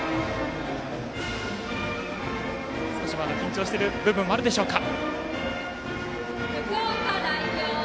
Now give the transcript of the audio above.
少しまだ緊張している部分もあるでしょうか。